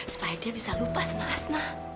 supaya dia bisa lupa sama asma